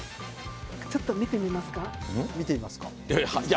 ちょっと「見てみますか？」